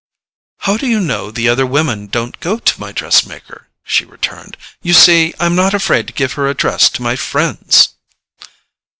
"How do you know the other women don't go to my dress maker?" she returned. "You see I'm not afraid to give her address to my friends!"